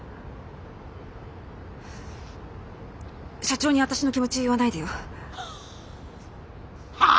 社長に私の気持ち言わないでよ。はあ！？